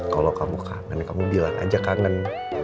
kalo kamu kangen kamu bilang aja kangen